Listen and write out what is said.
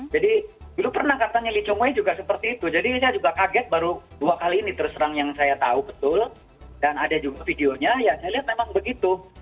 jadi dulu pernah katanya lee chung wei juga seperti itu jadi saya juga kaget baru dua kali ini terserang yang saya tahu betul dan ada juga videonya ya saya lihat memang begitu